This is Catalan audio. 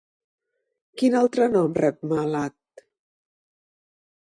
Quin altre nom rep, Mahalat?